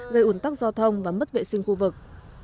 gây ủn tắc giao thông và mất vệ sinh khu vực